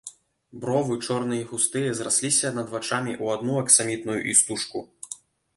Бровы, чорныя і густыя, зрасліся над вачамі ў адну аксамітную істужку.